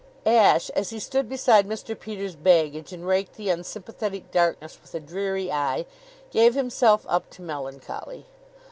Ashe, as he stood beside Mr. Peters' baggage and raked the unsympathetic darkness with a dreary eye, gave himself up to melancholy.